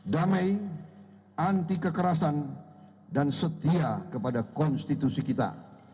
damai anti kekerasan dan setia kepada konstitusi kita